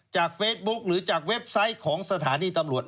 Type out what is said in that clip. เฟซบุ๊คหรือจากเว็บไซต์ของสถานีตำรวจ